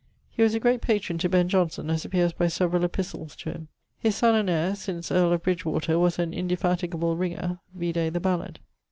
He was a great patron to Ben Johnson, as appeares by severall epistles to him. His son and heire, since earle of Bridgewater, was an indefatigable ringer vide the ballad.